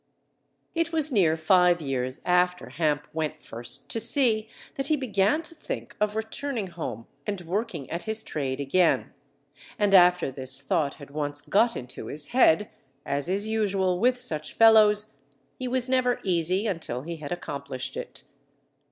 It was near five years after Hamp went first to sea that he began to think of returning home and working at his trade again; and after this thought had once got into his head, as is usual with such fellows, he was never easy until he had accomplished it.